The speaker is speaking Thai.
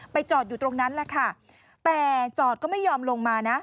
จอดอยู่ตรงนั้นแหละค่ะแต่จอดก็ไม่ยอมลงมานะ